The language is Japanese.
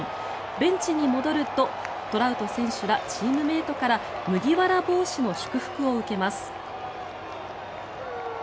ベンチに戻るとトラウト選手らチームメートから麦わら帽子の祝福を受けます。